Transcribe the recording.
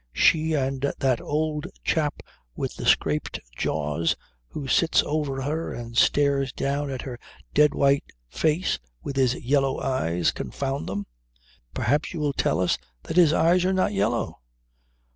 "She and that old chap with the scraped jaws who sits over her and stares down at her dead white face with his yellow eyes confound them! Perhaps you will tell us that his eyes are not yellow?"